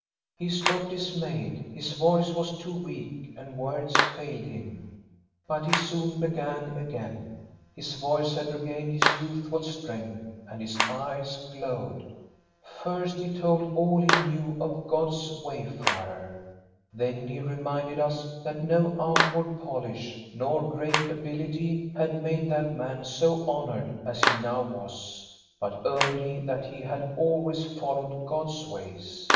He stopped dismayed. His voice was too weak, and words failed him. " But he soon began again. His voice had regained its youthful strength, and his eyes glowed. THE FOREST COTTAGE 453 ^* First, he told all he knew of God's wayfarer. Then he reminded us that no outward polish nor great ability had made that man so honored as he now was, but only that he had always followed God's ways.